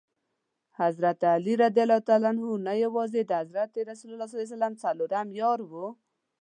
حضرت علي رض نه یوازي د حضرت رسول ص څلورم یار.